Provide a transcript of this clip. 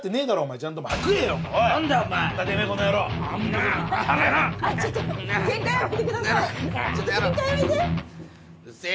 ちょっとケンカやめて！